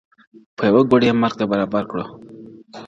په یوه ګړي یې مرګ ته برابر کړ!!